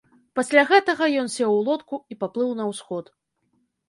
Пасля гэтага ён сеў у лодку і паплыў на ўсход.